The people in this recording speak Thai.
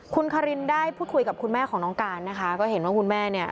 คุณคารินได้พูดคุยกับคุณแม่ของน้องการนะคะก็เห็นว่าคุณแม่เนี่ย